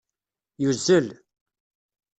Yuzel